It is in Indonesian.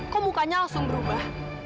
kok mukanya langsung berubah